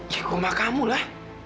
ya ke rumah kamu lah